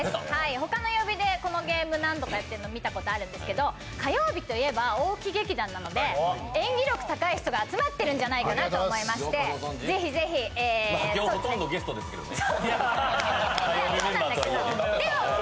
他の曜日でこのゲーム、何度かやっているのを見たことがあるんですけど、火曜日といえば大木劇団なので演技力高い人が集まってるんじゃないかなと思いまして今日ほとんどゲストですけどね。